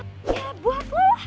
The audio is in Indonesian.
ya buat loh